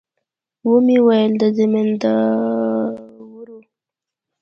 ومې ويل د زمينداورو.